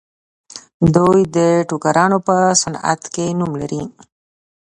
دوی د ټوکرانو په صنعت کې نوم لري.